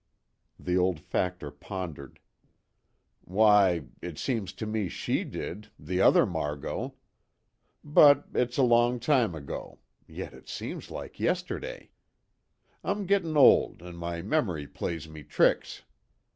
The old factor pondered: "Why it seems to me she did the other Margot. But it's a long time ago yet it seems like yesterday. I'm gettin' old an' my memory plays me tricks.